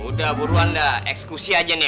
udah buruan dah ekskusi aja nih